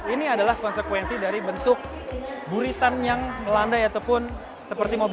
ini adalah konsekuensi dari bentuk buritan yang melandai ataupun seperti mobil